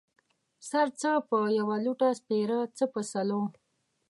سر څه په يوه لوټۀ سپيره ، څه په سلو.